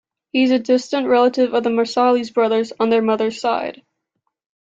He is a distant relative of the Marsalis brothers on their mother's side.